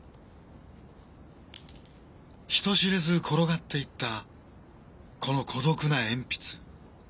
人知れず転がっていったこの孤独な鉛筆。